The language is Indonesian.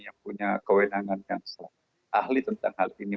yang punya kewenangan yang ahli tentang hal ini